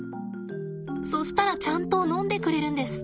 そしたらちゃんとのんでくれるんです。